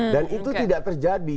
dan itu tidak terjadi